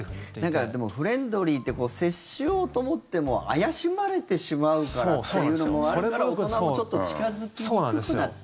なんか、でもフレンドリーって接しようと思っても怪しまれてしまうからっていうのもあるから大人もちょっと近付きにくくなってる。